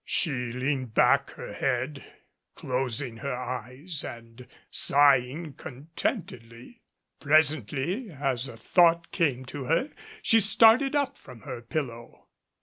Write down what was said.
She leaned back her head, closing her eyes and sighing contentedly. Presently, as a thought came to her, she started up from her pillow.